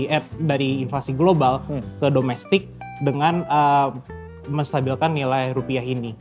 dari app dari inflasi global ke domestik dengan menstabilkan nilai rupiah ini